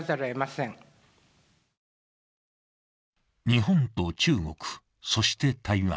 日本と中国、そして台湾。